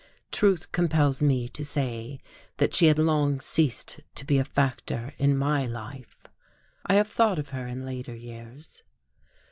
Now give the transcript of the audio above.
Truth compels me to say that she had long ceased to be a factor in my life. I have thought of her in later years.